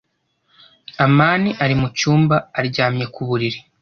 amani ari mucyumba, aryamye ku buriri.